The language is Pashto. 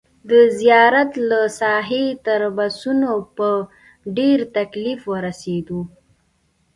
د زیارت له ساحې تر بسونو په ډېر تکلیف ورسېدو.